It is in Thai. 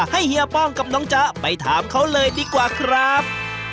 เฮียป้องกับน้องจ๊ะไปถามเขาเลยดีกว่าครับ